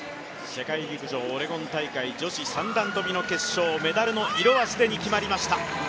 世界陸上オレゴン大会女子三段跳の決勝、メダルの色は既に決まりました。